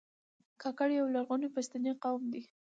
کاکړ یو لرغونی پښتنی قوم دی.